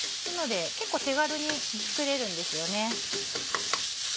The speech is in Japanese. なので結構手軽に作れるんですよね。